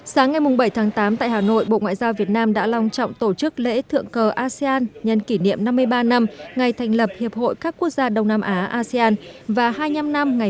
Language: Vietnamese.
sáng ngày bảy tháng tám tại hà nội bộ ngoại giao việt nam đã long trọng tổ chức lễ thượng cờ asean nhân kỷ niệm năm mươi ba năm ngày thành lập hiệp hội các quốc gia đông nam á asean và hai mươi năm năm ngày